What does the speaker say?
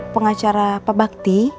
pengacara pak bakti